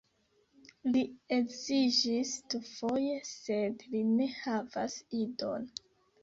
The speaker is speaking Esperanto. Li edziĝis dufoje, sed li ne havas idon.